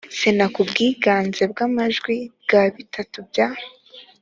sena ku bwiganze bw amajwi bwa bitatu bya